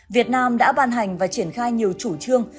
việt nam đã ban hành và triển khai nhiều chủ trương